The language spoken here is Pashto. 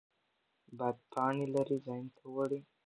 باد پاڼې لرې ځایونو ته وړي.